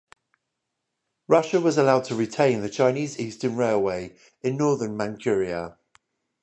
Russia was allowed to retain the Chinese Eastern Railway in northern Manchuria.